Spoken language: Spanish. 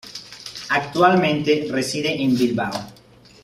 Actualmente, reside en Bilbao.